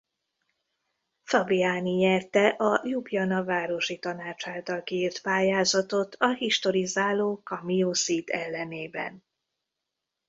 Fabiani nyerte a Ljubljana városi tanács által kiírt pályázatot a historizáló Camillo Sitte ellenében.